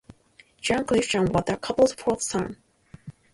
John Christian was the couple's fourth son.